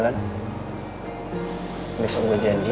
gak ada apa fraps